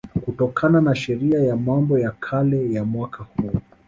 kutokana na Sheria ya Mambo ya Kale ya mwaka huo